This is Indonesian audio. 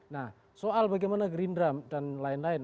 nah soal bagaimana gerindra dan lain lain